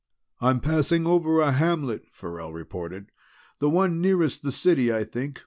"I'm passing over a hamlet," Farrell reported. "The one nearest the city, I think.